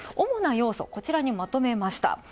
主な要素、こちらにまとめました。